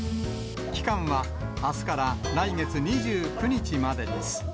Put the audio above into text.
期間はあすから来月２９日までです。